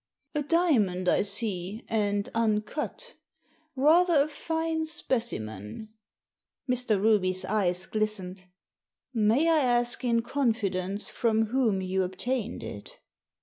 "A diamond, I see, and uncut Rather a fine specimen." Mr. Ruby's eyes glistened. "May I ask in confidence from whom you obtained it?"